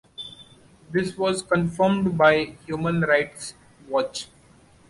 This was confirmed by Human Rights Watch.